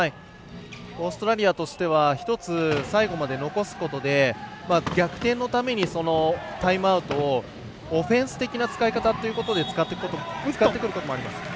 オーストラリアとしては１つ、最後まで残すことで逆転のためにタイムアウトをオフェンス的な使い方ということで使ってくることもあります。